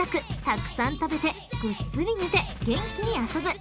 たくさん食べてぐっすり寝て元気に遊ぶ］